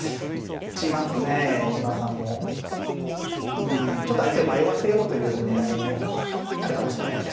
うんちょっと相手を迷わせようという狙いもあるかもしれないです。